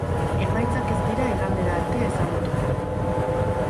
Emaitzak ez dira igandera arte ezagutuko.